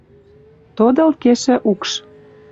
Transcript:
тодылт кешӹ укш.